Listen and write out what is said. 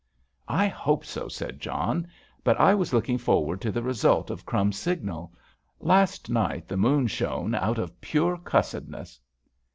"I hope so," said John. "But I was looking forward to the result of 'Crumbs's' signal. Last night the moon shone out of pure cussedness."